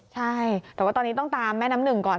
ใช่แต่ว่าตอนนี้ต้องตามแม่น้ำหนึ่งก่อน